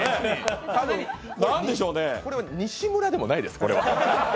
これは西村でもないです。